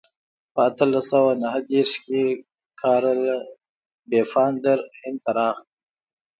په اتلس سوه نهه دېرش کې کارل پفاندر هند ته راغی.